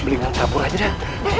beli ngangkabur aja dah